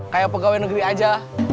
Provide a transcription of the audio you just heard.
kayak pegawai negeri aja